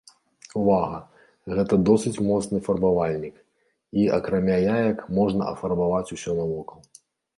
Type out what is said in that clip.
Увага, гэта досыць моцны фарбавальнік і, акрамя яек, можна афарбаваць усё навокал.